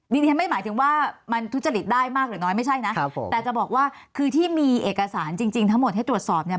ดิฉันไม่หมายถึงว่ามันทุจริตได้มากหรือน้อยไม่ใช่นะครับผมแต่จะบอกว่าคือที่มีเอกสารจริงทั้งหมดให้ตรวจสอบเนี่ย